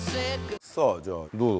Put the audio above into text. さあじゃあどうぞ。